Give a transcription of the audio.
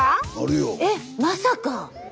えっまさか！